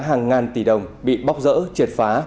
hàng ngàn tỷ đồng bị bóc rỡ triệt phá